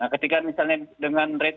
ketika misalnya dengan rate